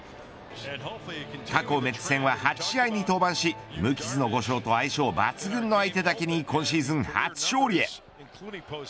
過去メッツ戦は８試合に登板し無傷の５勝と相性抜群の相手だけに今シーズン初勝利へ。